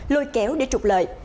lôi kéo để trục lời